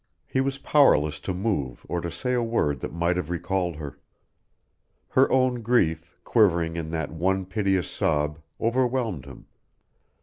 He was powerless to move or to say a word that might have recalled her. Her own grief, quivering in that one piteous sob, overwhelmed him.